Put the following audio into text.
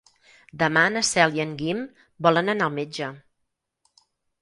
Demà na Cel i en Guim volen anar al metge.